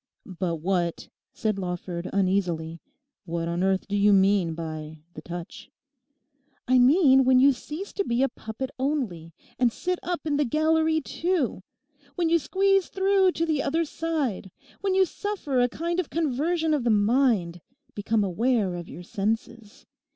'But what,' said Lawford uneasily, 'what on earth do you mean by the touch?' 'I mean when you cease to be a puppet only and sit up in the gallery too. When you squeeze through to the other side. When you suffer a kind of conversion of the mind; become aware of your senses.